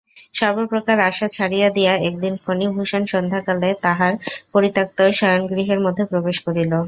সর্বপ্রকার আশা ছাড়িয়া দিয়া একদিন ফণিভূষণ সন্ধ্যাকালে তাহার পরিত্যক্ত শয়নগৃহের মধ্যে প্রবেশ করিল।